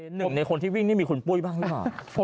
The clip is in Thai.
หนึ่งในคนที่วิ่งนี่มีคุณปุ้ยบ้างหรือเปล่า